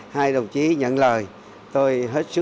hai đồng chí nhận lời